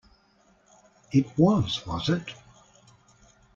It was, was it?